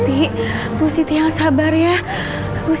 kaga tenang seperti itu kathleen